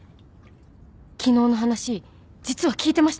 昨日の話実は聞いてました